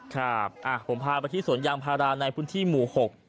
ครับผมพาไปที่สวนยางพาราในพื้นที่หมู่๖